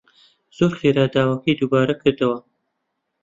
زۆر خێرا داواکەی دووبارە کردەوە